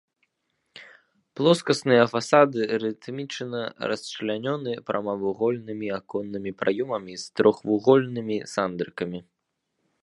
Плоскасныя фасады рытмічна расчлянёны прамавугольнымі аконнымі праёмамі з трохвугольнымі сандрыкамі.